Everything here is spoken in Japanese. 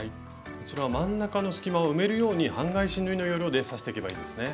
こちらは真ん中の隙間を埋めるように半返し縫いの要領で刺していけばいいですね。